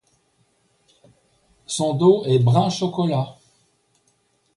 Son dos est brun chocolat.